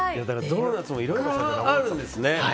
ドーナツもいろいろあるんですね。